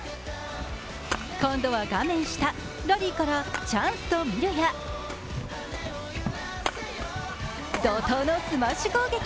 今度は画面下、ラリーからチャンスと見るや怒とうのスマッシュ攻撃。